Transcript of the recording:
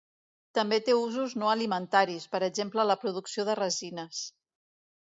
També té usos no alimentaris, per exemple la producció de resines.